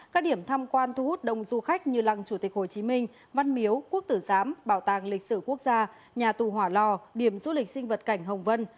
các điểm tham quan thu hút đông du khách như lăng chủ tịch hồ chí minh văn miếu quốc tử giám bảo tàng lịch sử quốc gia nhà tù hỏa lò điểm du lịch sinh vật cảnh hồng vân